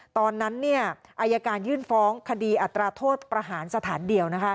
ตอนนั้นอายการยื่นฟ้องคดีอัตราโทษประหารสถานเดียว